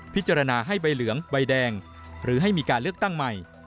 พิจารณาให้ใบเหลืองใบแดงหรือให้มีการเลือกตั้งใหม่